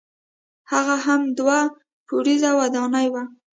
هغه هم دوه پوړیزه ودانۍ وه.